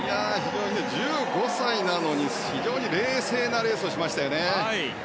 １５歳なのに、非常に冷静なレースをしましたね。